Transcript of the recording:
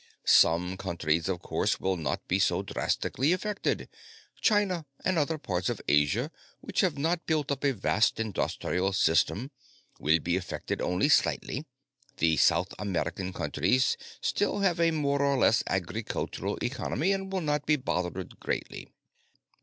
"Some countries, of course, will not be so drastically effected. China, and other parts of Asia which have not built up a vast industrial system, will be affected only slightly. The South American countries still have a more or less agricultural economy and will not be bothered greatly.